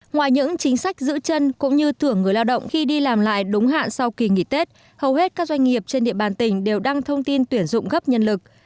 ngoài những chính sách giữ chân cũng như thưởng người lao động khi đi làm lại đúng hạn sau kỳ nghỉ tết hầu hết các doanh nghiệp trên địa bàn tỉnh đều đăng thông tin tuyển dụng gấp nhân lực